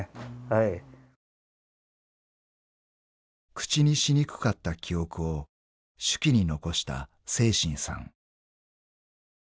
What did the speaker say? ［口にしにくかった記憶を手記に残した清真さん］